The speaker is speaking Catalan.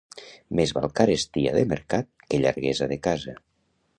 Més val carestia de mercat que llarguesa de casa.